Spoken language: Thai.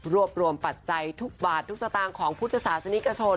รวบรวมปัจจัยทุกบาททุกสตางค์ของพุทธศาสนิกชน